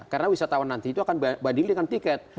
karena wisatawan nanti itu akan banding dengan tiket